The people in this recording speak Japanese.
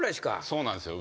そうなんですよ。